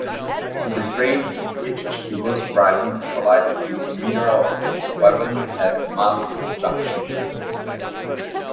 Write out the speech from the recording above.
The train in which she was riding collided with mineral wagon at Manuel Junction.